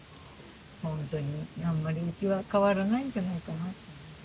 ほんとにあんまりうちは変わらないんじゃないかな。